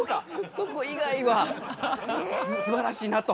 そこ以外はすばらしいなと。